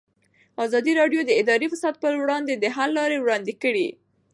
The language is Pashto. ازادي راډیو د اداري فساد پر وړاندې د حل لارې وړاندې کړي.